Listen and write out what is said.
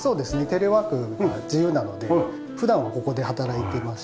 テレワークが自由なので普段はここで働いてます。